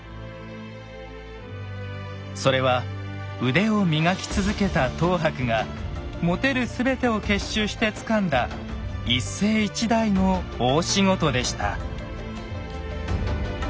それは腕を磨き続けた等伯が持てる全てを結集してつかんだ一世一代の大仕事でした。